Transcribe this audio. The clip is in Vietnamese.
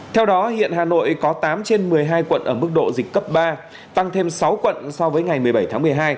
theo đó hiện hà nội có tám trên một mươi hai quận ở mức độ dịch cấp ba tăng thêm sáu quận so với ngày một mươi bảy tháng một mươi hai